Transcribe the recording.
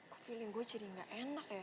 kok feeling gue jadi gak enak ya